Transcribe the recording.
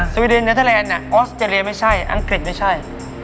วิดีเนเทอร์แลนด์ออสเตรเลียไม่ใช่อังกฤษไม่ใช่